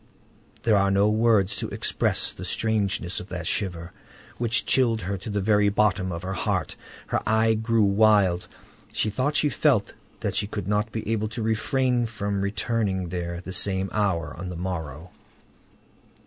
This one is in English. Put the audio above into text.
There are no words to express the strangeness of that shiver which chilled her to the very bottom of her heart; her eye grew wild; she thought she felt that she should not be able to refrain from returning there at the same hour on the morrow.